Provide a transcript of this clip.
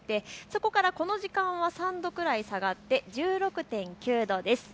そこからこの時間は３度ぐらい下がって１６．９度です。